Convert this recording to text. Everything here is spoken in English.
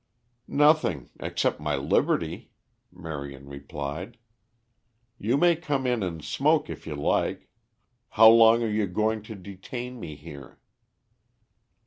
"Nothing, except my liberty," Marion replied. "You may come in and smoke if you like. How long are you going to detain me here?"